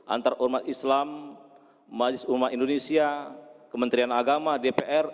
antar umat islam majelis ulama indonesia kementerian agama dpr